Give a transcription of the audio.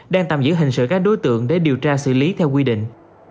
đang tạm giữ hình sự các đối tượng để điều tra xử lý theo quy định